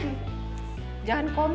hati hati akang abah